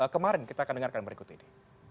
kemarin kita akan dengarkan berikut ini